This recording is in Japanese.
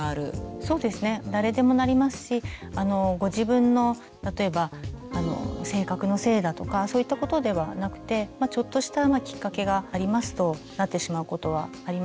そうですね誰でもなりますしご自分の例えば性格のせいだとかそういったことではなくてちょっとしたきっかけがありますとなってしまうことはありまして。